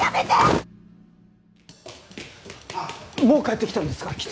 もう帰ってきたんですか？